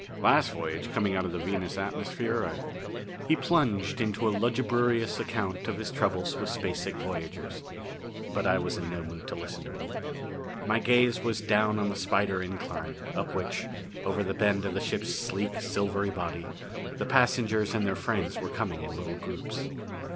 Last voyage, coming out of the Venus atmosphere " He plunged into a lugubrious account of his troubles with space sick voyagers. But I was in no mood to listen to him. My gaze was down on the spider incline, up which, over the bend of the ship's sleek, silvery body, the passengers and their friends were coming in little groups.